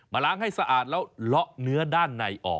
ล้างให้สะอาดแล้วเลาะเนื้อด้านในออก